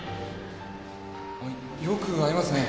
よく会いますね